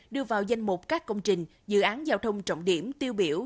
đưa vào danh mục các công trình dự án giao thông trọng điểm tiêu biểu